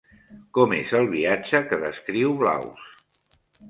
Com és el viatge que descriu Blaus?